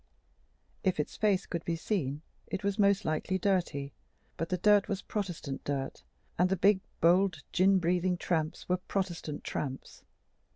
If its face could be seen, it was most likely dirty; but the dirt was Protestant dirt, and the big, bold, gin breathing tramps were Protestant tramps.